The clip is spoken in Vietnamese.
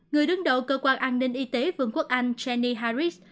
người đứng đầu cơ quan an ninh y tế vương quốc anh geny harris